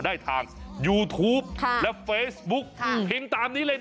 ได้ทางยูทูปและเฟซบุ๊กพิมพ์ตามนี้เลยนะ